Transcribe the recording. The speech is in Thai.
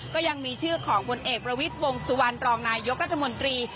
ก็ยังมีชื่อของผลเอกประวิทย์วงสุวรรณรองนายกรัฐมนตรี